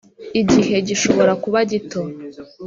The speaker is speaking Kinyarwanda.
igihe gishobora kuba gito.